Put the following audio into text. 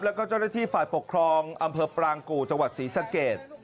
แล้วก็ที่ฝาษฎีปกครองอำเภอปรางกูจศรีสักเกด